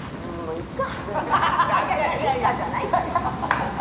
「いっか」じゃないんですよ。